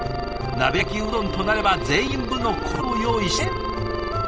鍋焼きうどんとなれば全員分の小鍋を用意して。